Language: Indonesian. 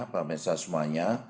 pak mesa semuanya